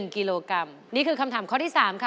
๑กิโลกรัมนี่คือคำถามข้อที่๓ค่ะ